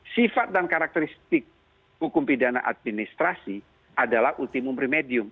sifat dan karakteristik hukum pidana administrasi adalah ultimum remedium